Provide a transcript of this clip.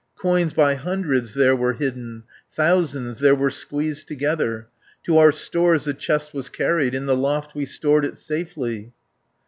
Coins by hundreds there were hidden, Thousands there were squeezed together, To our stores the chest was carried, In the loft we stored it safely."